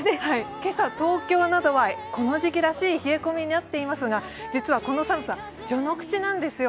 今朝、東京などはこの時期らしい寒さになっていますがこの寒さ、序ノ口なんですよ。